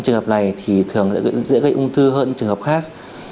trường hợp này thì thường sẽ dễ gây ung thư hơn trường hợp khác